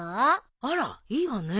あらいいわね。